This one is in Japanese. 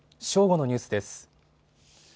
正午のニュースです。